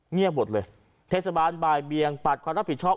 เงียบหมดเลยเทศบาลบ่ายเบียงปัดความรับผิดชอบ